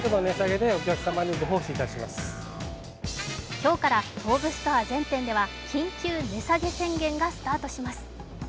今日から東武ストア全店では緊急値下げ宣言がスタートします。